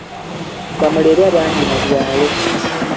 Bamulerwa bangi mu byalo.